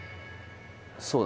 そうだ